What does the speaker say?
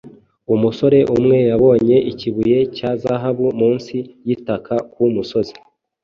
Umusore umwe yabonye ikibuye cya zahabu munsi y’itaka ku musozi,